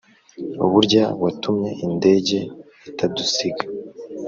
Burya watumye indege itadusiga